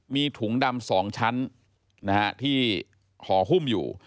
มีถุงดำ๒ชั้นที่ห่อหุ้มอยู่